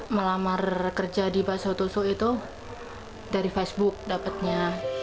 melamar kerja di bakso tusuk itu dari facebook dapatnya